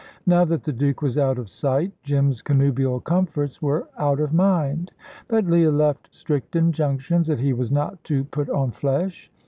Now that the Duke was out of sight, Jim's connubial comforts were out of mind; but Leah left strict injunctions that he was not to put on flesh.